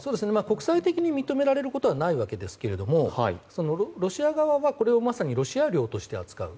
国際的に認められることはないわけですけれどもロシア側がこれをロシア領として扱う。